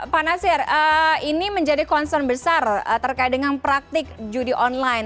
pak nasir ini menjadi concern besar terkait dengan praktik judi online